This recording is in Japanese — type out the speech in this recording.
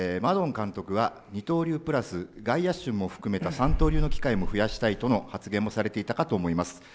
マドン監督は二刀流プラス外野手も含めた三刀流の機会も増やしたいという話もされていたかと思います。